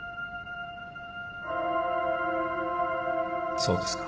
そうですか。